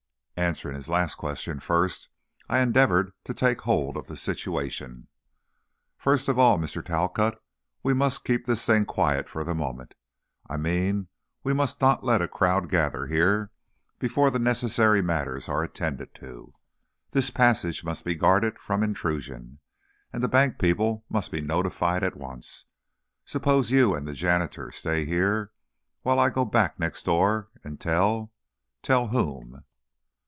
Answering his last question first, I endeavored to take hold of the situation. "First of all, Mr. Talcott, we must keep this thing quiet for the moment. I mean, we must not let a crowd gather here, before the necessary matters are attended to. This passage must be guarded from intrusion, and the bank people must be notified at once. Suppose you and the janitor stay here, while I go back next door and tell tell whom?"